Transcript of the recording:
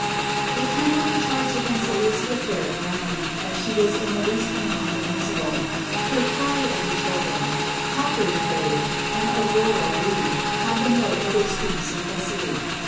It cannot be charged against =Elizabeth Barrett Browning (1806 1861)= that she was in the least incomprehensible. Her "Cry of the Children," "Cowper's Grave," and "Aurora Leigh," have the note of extreme simplicity.